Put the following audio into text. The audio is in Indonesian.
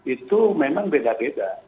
itu memang beda beda